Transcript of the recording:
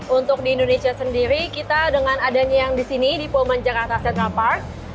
untuk di indonesia sendiri kita dengan adanya yang di sini di polman jakarta centra park